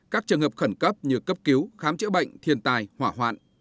các trường hợp khẩn cấp như cấp cứu khám chữa bệnh thiền tài hỏa hoạn